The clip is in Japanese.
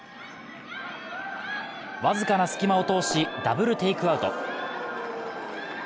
僅かな隙間を通し、ダブルテイクアウト。